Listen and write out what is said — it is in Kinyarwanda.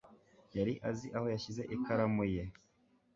Yari azi aho yashyize ikaramu ye.